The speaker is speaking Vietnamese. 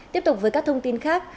tiếp tục với các thông tin khác